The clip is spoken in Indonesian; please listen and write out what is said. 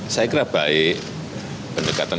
saya kira baik pendekatan